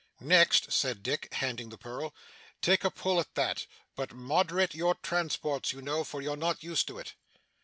'Next,' said Dick, handing the purl, 'take a pull at that; but moderate your transports, you know, for you're not used to it.